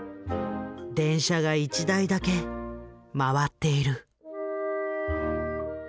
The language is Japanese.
電車が１台だけ回っている。